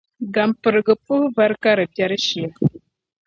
Gampiriga puhi vari ka di biɛri shia.